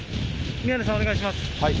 宮根さん、お願いします。